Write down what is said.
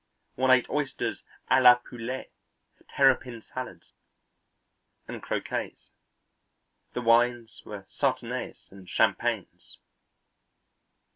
One ate oysters à la poulette, terrapin salads, and croquettes; the wines were Sauternes and champagnes.